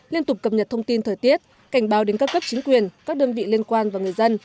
liên tục cập nhật thông tin thời tiết cảnh báo đến các cấp chính quyền các đơn vị liên quan và người dân